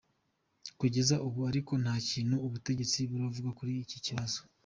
Kugeza ubu ariko nta kintu ubutegetsi buravuga kuri iki kibazo.